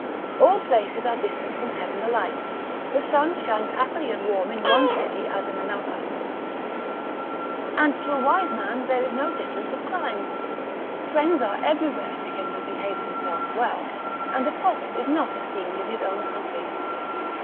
All places are distant from heaven alike, the sun shines happily as warm in one city as in another, and to a wise man there is no difference of climes; friends are everywhere to him that behaves himself well, and a prophet is not esteemed in his own country.